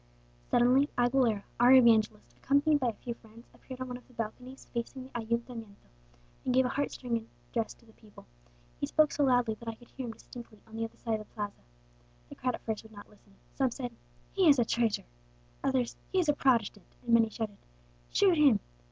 "Suddenly Aguilera, our evangelist, accompanied by a few friends, appeared on one of the balconies facing the Ayuntamiento, and gave a heart stirring address to the people. He spoke so loudly that I could hear him distinctly on the other side of the Plaza. The crowd at first would not listen. Some said, 'He is a traitor!' others, 'He is a Protestant!' and many shouted, 'Shoot him!'